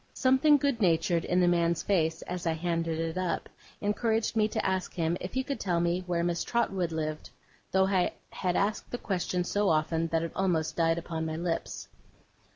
Something good natured in the man's face, as I handed it up, encouraged me to ask him if he could tell me where Miss Trotwood lived; though I had asked the question so often, that it almost died upon my lips.